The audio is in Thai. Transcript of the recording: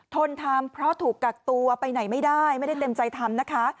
ทนทำเพราะถูกกักตัวไปไหนไม่ได้ไม่ได้เต็มใจทำนะคะ